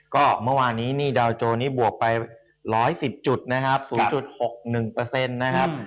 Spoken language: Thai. ก็เมื่อวานี้ดาวโจรนี่บวกไป๑๑๐จุดศูนย์จุด๖๑นะครับ